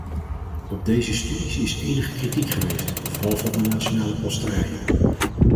Op deze studies is enige kritiek geweest, vooral van de nationale posterijen.